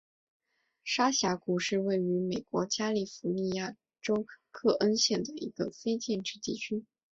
沙峡谷是位于美国加利福尼亚州克恩县的一个非建制地区。